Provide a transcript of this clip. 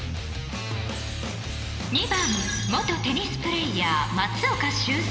２番、元テニスプレーヤー松岡修造